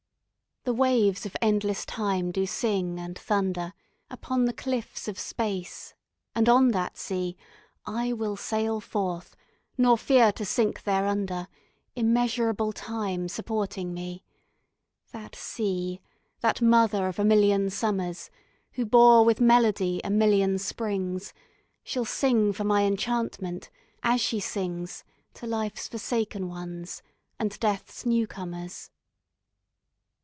The waves of endless time do sing and thunder Upon the cliffs of space. And on that sea I will sail forth, nor fear to sink thereunder, Immeasurable time supporting me: That sea that mother of a million summers, Who bore, with melody, a million springs, Shall sing for my enchantment, as she sings To life's forsaken ones, and death's newcomers.